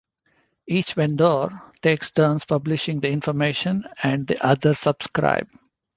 Each vendor takes turns publishing the information and the other subscribe.